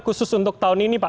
khusus untuk tahun ini pak